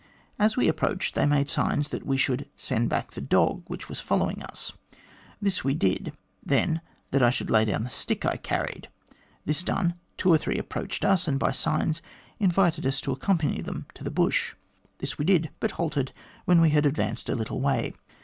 As we approached, they made signs that we should send back the dog which was following us. This we did. Then, that I should lay down the stick I carried. This done, two or three approached us, and by signs invited us to accompany them to the bush. This we did, but halted when we had advanced a little way.